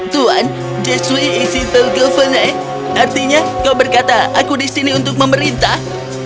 tuan ini adalah perubahan artinya kau berkata aku di sini untuk memerintah